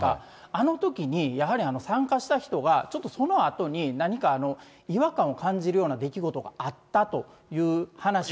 あのときに、やはり参加した人が、ちょっとそのあとに何か違和感を感じるような出来事があったという話が。